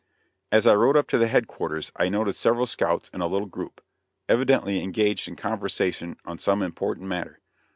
As I rode up to the headquarters I noticed several scouts in a little group, evidently engaged in conversation on some important matter.